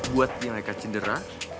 buat yang mereka cedera